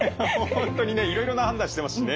本当にねいろいろな判断してますしね。